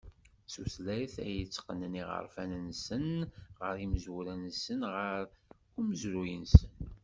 D tuylayt ay itteqqnen iɣerfan ɣer yimezwura-nsen, ɣer umezruy-nsen.